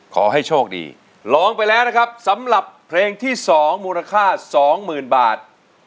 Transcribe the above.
ขอให้โชคดีร้องไปแล้วนะครับสำหรับเพลงที่๒มูลค่า๒๐๐๐บาท